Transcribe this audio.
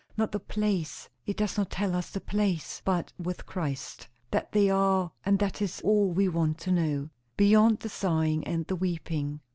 "Not the place; it does not tell us the place; but with Christ. That they are; and that is all we want to know. 'Beyond the sighing and the weeping.'